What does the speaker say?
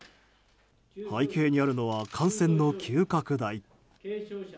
背景にあるのは、感染の急拡大。